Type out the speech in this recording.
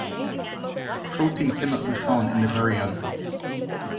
The protein can not be found in the virion.